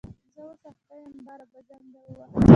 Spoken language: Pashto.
زه اوس اخته یم باره به زنګ در ووهم